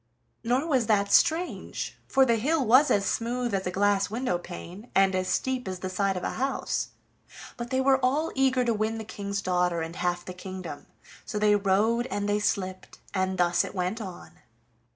Nor was that strange, for the hill was as smooth as a glass window pane, and as steep as the side of a house. But they were all eager to win the King's daughter and half the kingdom, so they rode and they slipped, and thus it went on.